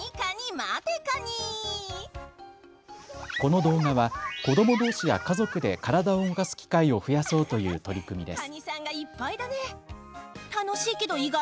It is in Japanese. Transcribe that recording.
この動画は子どもどうしや家族で体を動かす機会を増やそうという取り組みです。